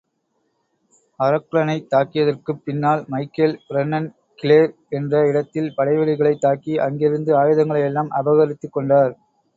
அரக்லனைத் தாக்கியதற்குப் பின்னால் Michael, Brennan Clare என்ற இடத்தில் படைவீடுகளைத் தாக்கி, அங்கிருந்த ஆயுதங்களையெல்லாம் அபகரித்துக் கொண்டார்.